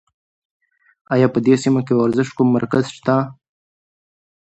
ایا په دې سیمه کې د ورزش کوم مرکز شته؟